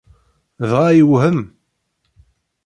Dɣa, iwhem!